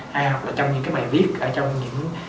hay học ở trong những cái bài viết ở trong những